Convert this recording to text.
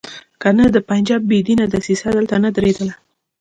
کنه د پنجاب بې دینه دسیسه دلته نه درېدله.